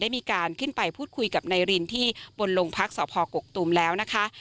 มีการขึ้นไปพูดคุยกับนายรินที่บนโรงพักษพกกตูมแล้วนะคะ